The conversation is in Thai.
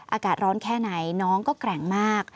อากาศร้อนแค่ไหนน้องก็แกร่งมาก